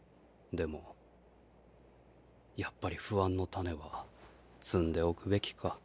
でもやっぱり不安の種は摘んでおくべきか。